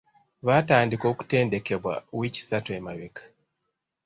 Baatandika okutendekebwa wiiki ssatu emabega.